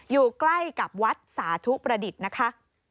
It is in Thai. อยู่ใกล้กับวัดสาธุประดิษฐ์นะคะ